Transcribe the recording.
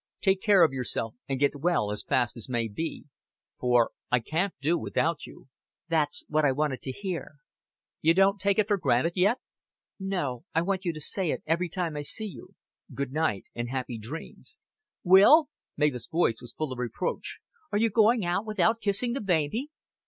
Take care of yourself, and get well as fast as may be. For I can't do without you." "That's what I wanted to hear." "You don't take it for granted yet?" "No. I want you to say it every time I see you." "Good night an' happy dreams." "Will!" Mavis' voice was full of reproach. "Are you going without kissing the baby?"